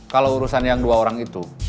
kalau urusan yang dua orang itu